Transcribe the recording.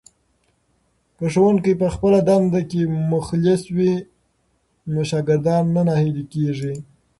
که ښوونکی په خپله دنده کې مخلص وي نو شاګردان نه ناهیلي کېږي.